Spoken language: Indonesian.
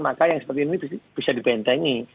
maka yang seperti ini bisa dibentengi